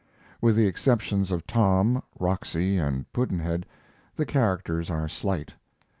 With the exceptions of Tom, Roxy, and Pudd'nhead the characters are slight.